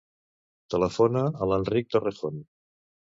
Telefona a l'Enric Torrejon.